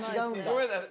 ごめんなさい。